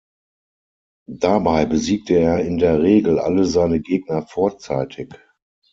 Dabei besiegte er in der Regel alle seine Gegner vorzeitig.